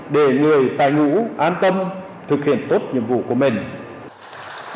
để người tài ngũ an tâm thực hiện tốt nhiệm vụ của mình